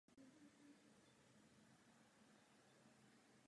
Domnívám se, že tato rozprava má dvě části.